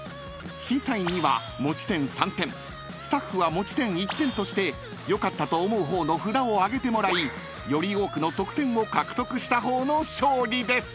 ［審査員には持ち点３点スタッフは持ち点１点として良かったと思う方の札を挙げてもらいより多くの得点を獲得した方の勝利です］